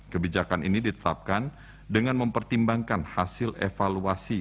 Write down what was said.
kebijakan ini ditetapkan dengan mempertimbangkan hasil evaluasi